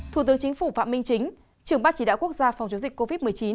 thủ tướng chính phủ phạm minh chính trưởng ban chỉ đạo quốc gia phòng chống dịch covid một mươi chín